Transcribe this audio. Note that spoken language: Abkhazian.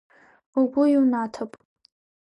Угәы иунаҭап…